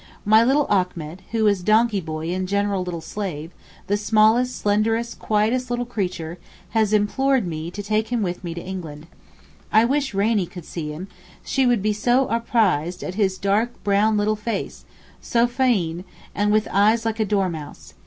My little Achmet, who is donkey boy and general little slave, the smallest slenderest quietest little creature, has implored me to take him with me to England. I wish Rainie could see him, she would be so 'arprized' at his dark brown little face, so fein, and with eyes like a dormouse.